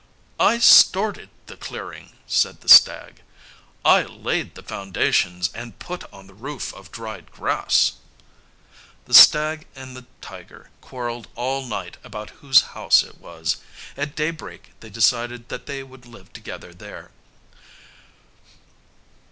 "I started the clearing," said the stag. "I laid the foundations and put on the roof of dried grass." The stag and the tiger quarrelled all night about whose house it was. At daybreak they decided that they would live together there.